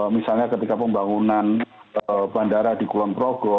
misalnya ketika pembangunan bandara di kulon progo